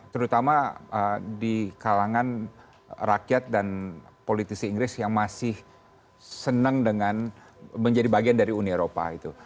terutama di kalangan rakyat dan politisi inggris yang masih senang dengan menjadi bagian dari uni eropa itu